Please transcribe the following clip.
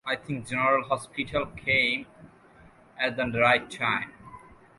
I think General Hospital came at the right time.